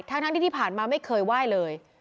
ทั้งที่ที่ผ่านมาไม่เคยไหว้เลย